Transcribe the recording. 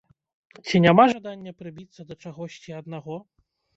Ці няма жадання прыбіцца да чагосьці аднаго?